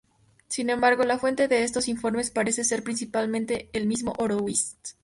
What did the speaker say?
Sin embargo, la fuente de estos informes parece ser principalmente el mismo Horowitz.